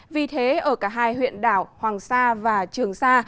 vì thế ở cả hai huyện đảo hoàng sa và trường sa